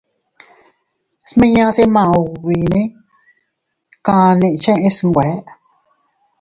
Smiñase maubine kani cheʼe snwe.